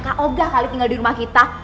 kak oga kali tinggal di rumah kita